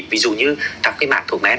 ví dụ như các cái mặt thủ men